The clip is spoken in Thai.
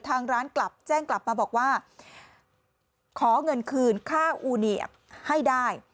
ทางร้านกลับแจ้งกลับมาบอกว่าขอเงินคืนค่าอูเนียบให้ได้